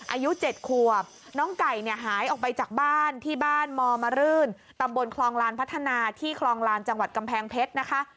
อายุ๗ขวบน้องไก่เนี่ยหายออกไปจากบ้านที่บ้านมรื่นตำบลคลองลานพัฒนาที่คลองลานจังหวัดกำแพงเพชรนะคะ